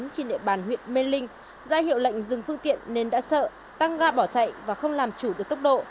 trên địa bàn huyện mê linh ra hiệu lệnh dừng phương tiện nên đã sợ tăng ga bỏ chạy và không làm chủ được tốc độ